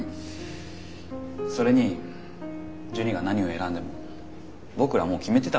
それにジュニが何を選んでも僕らもう決めてたから。